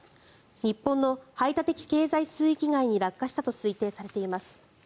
日本の排他的経済水域外に落下したと推定されています。